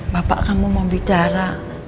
bapak kamu mau bicara